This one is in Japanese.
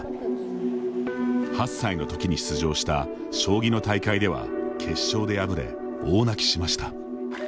８歳のときに出場した将棋の大会では決勝で敗れ大泣きしました。